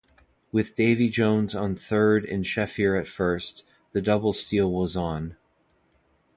With Davy Jones on third and Schaefer at first, the double steal was on.